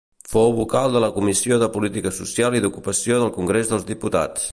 Fou vocal de la Comissió de Política Social i d'Ocupació del Congrés dels Diputats.